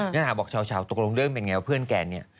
แล้วถ้าบอกเช่าตกลงเรื่องเป็นอย่างไรว่าเพื่อนแกนี่